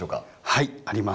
はいあります。